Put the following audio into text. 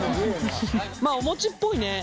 まあお餅っぽいね。